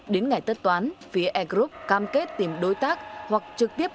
đến ngày tất toán phía air group cam kết tìm đối tác hoặc trực tiếp